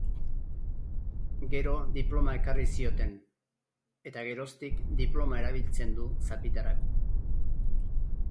Gero diploma ekarri zioten, eta geroztik diploma erabiltzen du zapitarako.